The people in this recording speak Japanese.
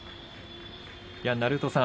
鳴戸さん